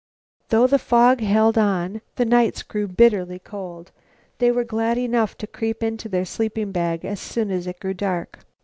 Though the fog held on, the nights grew bitterly cold. They were glad enough to creep into their sleeping bag as soon as it grew dark.